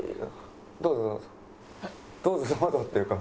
どうぞどうぞっていうか。